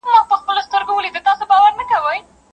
بې اهمیته او وړوکې وظیفه